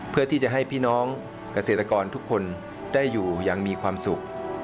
เพื่อที่จะให้พี่น้องเกษตรกรทุกคนได้อยู่อย่างมีความสุข